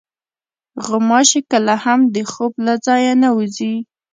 غوماشې کله هم د خوب له ځایه نه وځي.